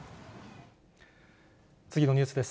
次のニュースです。